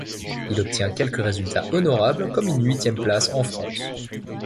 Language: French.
Il obtient quelques résultats honorables, comme une huitième place en France.